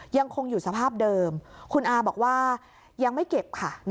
ยังคงอยู่สภาพเดิมคุณอาบอกว่ายังไม่เก็บค่ะ